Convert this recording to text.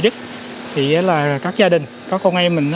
các cơ quan tổ chức các gia đình các con em mình